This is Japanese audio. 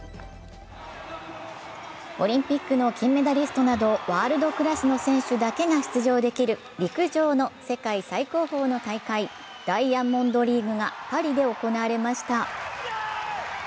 オリンピックの金メダリストなどワールドクラスの選手だけが出場できる陸上の世界最高峰の大会、ダイヤモンドリーグがパリで行われました。